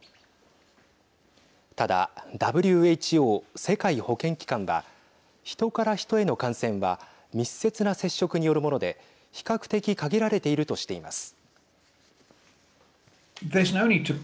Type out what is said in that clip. ただ、ＷＨＯ＝世界保健機関はヒトからヒトへの感染は密接な接触によるもので比較的限られているとしています。